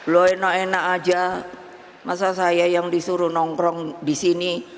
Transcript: lo enak enak aja masa saya yang disuruh nongkrong di sini